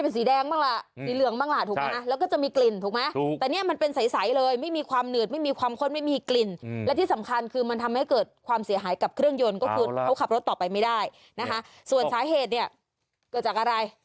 ซึ่งจริงน้ำมันเนี่ยถ้าที่ฉันจำไม่ผิดนะ